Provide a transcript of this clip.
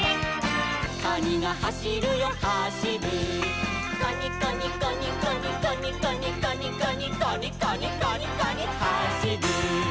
「カニがはしるよはしる」「カニカニカニカニカニカニカニカニ」「カニカニカニカニはしる」